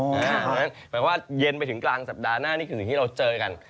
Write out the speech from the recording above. หมายความว่าเย็นไปถึงกลางสัปดาห์หน้านี่คือที่เราเจอกัน